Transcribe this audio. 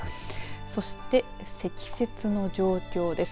そして積雪の状況です。